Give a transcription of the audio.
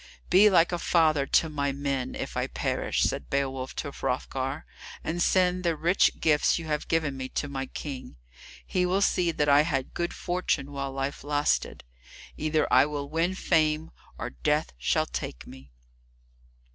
"Be like a father to my men, if I perish," said Beowulf to Hrothgar, "and send the rich gifts you have given me to my King. He will see that I had good fortune while life lasted. Either I will win fame, or death shall take me."